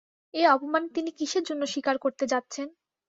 এ অপমান তিনি কিসের জন্যে স্বীকার করতে যাচ্ছেন?